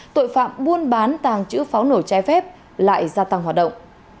tội phạm buôn bán tàng trữ pháo nổi trái phép lại gia tăng hoạt động